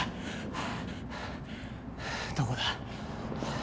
どこだ？